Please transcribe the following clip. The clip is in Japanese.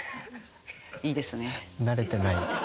いいですね。